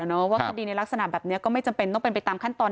ว่าคดีในลักษณะแบบนี้ก็ไม่จำเป็นต้องเป็นไปตามขั้นตอน